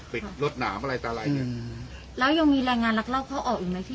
ปิดรถหนามอะไรตลาดอย่างเงี้ยแล้วยังมีแรงงานรักรอบเขาออกอีกไหมพี่